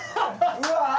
うわ！